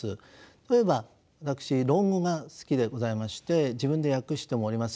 例えば私「論語」が好きでございまして自分で訳してもおります。